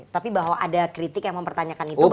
tapi bahwa ada kritik yang mempertanyakan itu